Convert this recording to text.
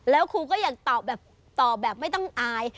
แล้วครูก็อยากตอบแบบไม่ต้องอาย